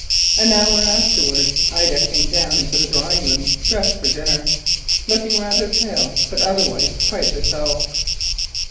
An hour afterwards Ida came down into the drawing room dressed for dinner, looking rather pale but otherwise quite herself.